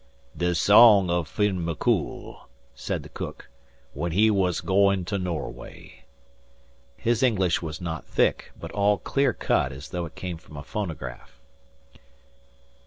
"The song of Fin McCoul," said the cook, "when he wass going to Norway." His English was not thick, but all clear cut, as though it came from a phonograph.